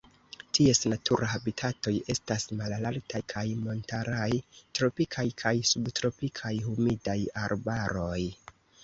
Ties naturaj habitatoj estas malaltaj kaj montaraj tropikaj kaj subtropikaj humidaj arbaroj.